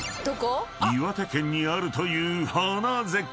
［岩手県にあるという花絶景］